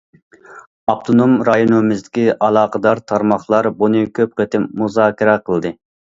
ئاپتونوم رايونىمىزدىكى ئالاقىدار تارماقلار بۇنى كۆپ قېتىم مۇزاكىرە قىلدى.